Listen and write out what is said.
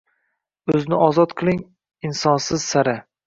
O’zni ozod qiling – insonsiz sara